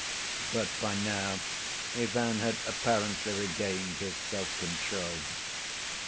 But by now Ivan had apparently regained his self‐control.